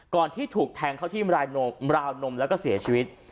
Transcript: ที่ถูกแทงเข้าที่ราวนมแล้วก็เสียชีวิต